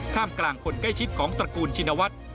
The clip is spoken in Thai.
กลางคนใกล้ชิดของตระกูลชินวัฒน์